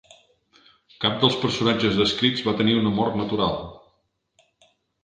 Cap dels personatges descrits va tenir una mort natural.